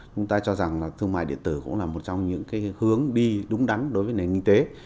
chúng ta cho rằng thương mại điện tử cũng là một trong những hướng đi đúng đắn đối với nền kinh tế